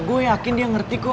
gue yakin dia ngerti kok